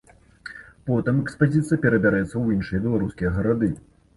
Потым экспазіцыя перабярэцца ў іншыя беларускія гарады.